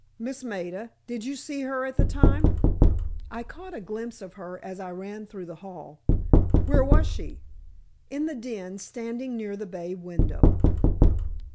"Miss Maida—did you see her at the time?" "I caught a glimpse of her as I ran through the hall." "Where was she?" "In the den; standing near the bay window."